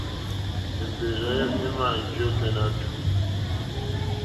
Èmbèrzà èmà njíyá ôténá tùú.